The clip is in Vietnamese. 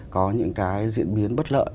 có những cái diễn biến bất lợi